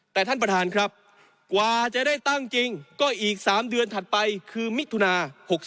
แต่ท่านประธานครับกว่าจะได้ตั้งจริงก็อีก๓เดือนถัดไปคือมิถุนา๖๔